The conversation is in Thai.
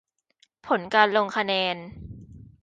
ผลการลงคะแนน